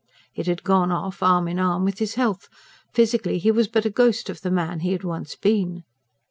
It had gone off arm in arm with his health; physically he was but a ghost of the man he had once been.